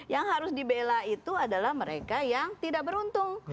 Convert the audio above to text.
yang harus dibela itu adalah mereka yang tidak beruntung